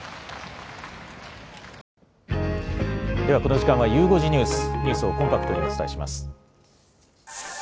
ではこの時間は、ゆう５時ニュース、ニュースをコンパクトにお伝えします。